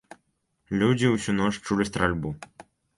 Людзі ўсю ноч чулі стральбу.